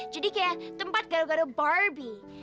jadi kayak tempat gado gado barbie